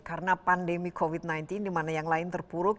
karena pandemi covid sembilan belas di mana yang lain terpuruk